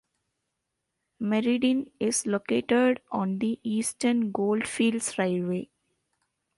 Merredin is located on the Eastern Goldfields Railway.